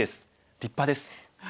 立派です。